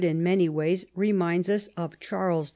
in many ways reminds us of Charles 1.